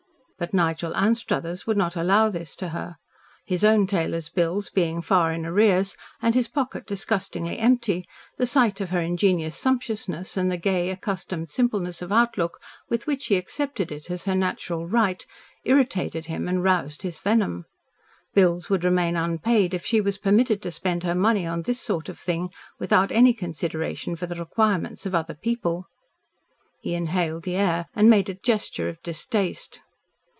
But Nigel Anstruthers would not allow this to her. His own tailors' bills being far in arrears and his pocket disgustingly empty, the sight of her ingenuous sumptuousness and the gay, accustomed simpleness of outlook with which she accepted it as her natural right, irritated him and roused his venom. Bills would remain unpaid if she was permitted to spend her money on this sort of thing without any consideration for the requirements of other people. He inhaled the air and made a gesture of distaste.